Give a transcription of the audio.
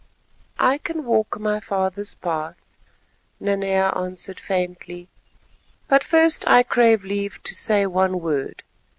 "I can walk my father's path," Nanea answered faintly, "but first I crave leave to say one word.